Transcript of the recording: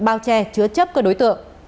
bao che chứa chấp các đối tượng